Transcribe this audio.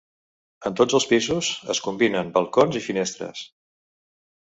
En tots els pisos es combinen balcons i finestres.